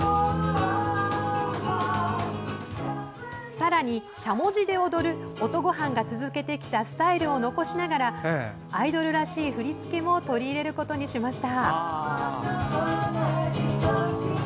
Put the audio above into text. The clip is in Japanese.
さらに、しゃもじで踊る音ごはんが続けてきたスタイルを残しながらアイドルらしい振り付けも取り入れることにしました。